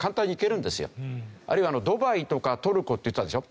あるいはドバイとかトルコって言ってたでしょ。